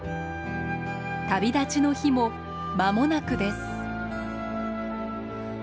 旅立ちの日もまもなくです。